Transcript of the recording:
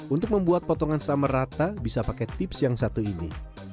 untuk membuat potongan summer rata bisa pakai tips yang satu ini